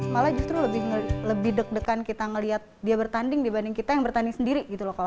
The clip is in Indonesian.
malah justru lebih deg degan kita ngeliat dia bertanding dibanding kita yang bertanding sendiri gitu loh